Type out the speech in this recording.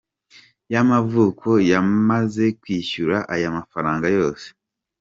yamavuko yamaze kwishyura aya mafaranga yose.